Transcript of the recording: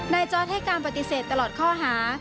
จอร์ดให้การปฏิเสธตลอดข้อหา